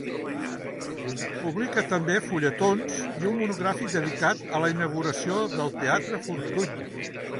Publica també fulletons i un monogràfic dedicat a la inauguració del Teatre Fortuny.